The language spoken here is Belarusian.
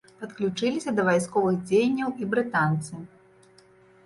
Падключыліся да вайсковых дзеянняў і брытанцы.